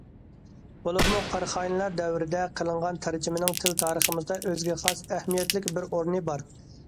بولۇپمۇ قاراخانىيلار دەۋرىدە قىلىنغان تەرجىمىنىڭ تىل تارىخىمىزدا ئۆزىگە خاس ئەھمىيەتلىك بىر ئورنى بار.